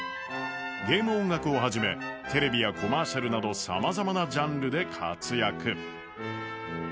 ゲーム音楽をはじめ、テレビやコマーシャルなどさまざまなジャンルで活躍。